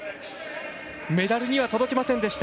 メダルには届きませんでした。